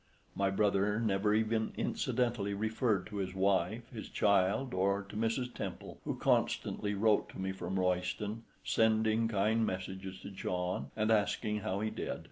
My brother never even incidentally referred to his wife, his child, or to Mrs. Temple, who constantly wrote to me from Royston, sending kind messages to John, and asking how he did.